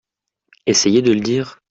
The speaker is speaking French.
Essayez de le dire.